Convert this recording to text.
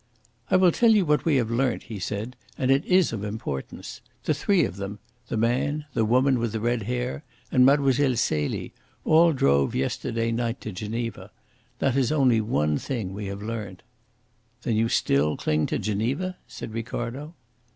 "I will tell you what we have learnt," he said, "and it is of importance. The three of them the man, the woman with the red hair, and Mlle. Celie all drove yesterday night to Geneva. That is only one thing we have learnt." "Then you still cling to Geneva?" said Ricardo.